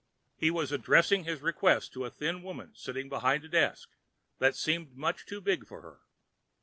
He was addressing his request to a thin woman sitting behind a desk that seemed much too big for her.